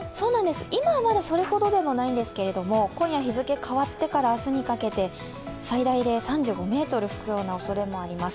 今はまだそれほどでもないんですけど、今夜日付変わってから明日にかけて、最大で３５メートル吹くようなおそれもあります。